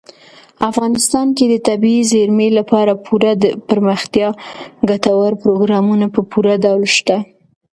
افغانستان کې د طبیعي زیرمې لپاره پوره دپرمختیا ګټور پروګرامونه په پوره ډول شته.